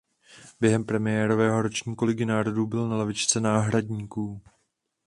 Během premiérového ročníku Ligy národů byl na lavičce náhradníků.